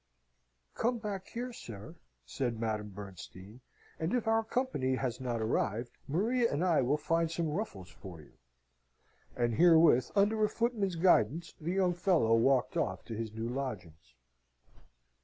"Come back here, sir," said Madame Bernstein, "and if our company has not arrived, Maria and I will find some ruffles for you!" And herewith, under a footman's guidance, the young fellow walked off to his new lodgings.